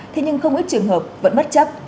thế nhưng không ít trường hợp vẫn mất chấp